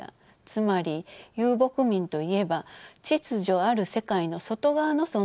つまり遊牧民といえば秩序ある世界の外側の存在なのです。